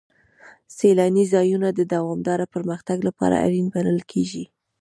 سیلاني ځایونه د دوامداره پرمختګ لپاره اړین بلل کېږي.